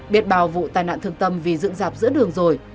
biết bào vụ tai nạn thương tâm vì dựng dạp giữa đường rồi